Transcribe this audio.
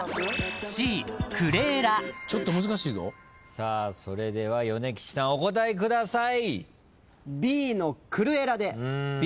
さあそれでは米吉さんお答えください。